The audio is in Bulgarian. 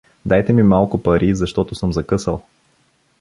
Дайте ми малко пари, защото съм закъсал.